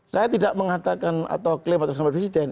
saya tidak mengatakan atau klaim atas nama presiden